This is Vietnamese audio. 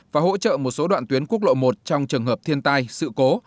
và hỗ trợ một số đoạn tuyến quốc lộ một trong trường hợp thiên tai sự cố